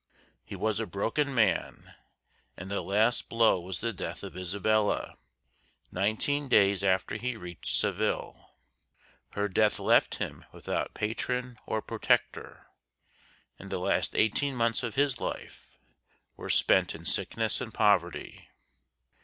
He was a broken man, and the last blow was the death of Isabella, nineteen days after he reached Seville. Her death left him without patron or protector, and the last eighteen months of his life were spent in sickness and poverty.